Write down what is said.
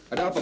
ada apa pak